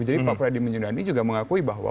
jadi pak freddy menyedani juga mengakui bahwa